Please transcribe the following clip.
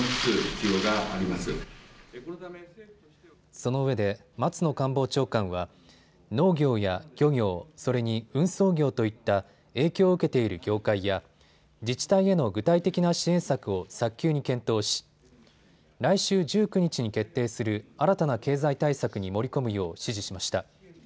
そのうえで松野官房長官は農業や漁業それに運送業といった影響を受けている業界や自治体への具体的な支援策を早急に検討し来週１９日に決定する新たな経済対策に盛り込むよう指示しました。